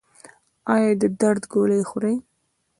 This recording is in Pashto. ایا د درد ګولۍ خورئ؟